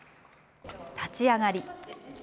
立ち上がり。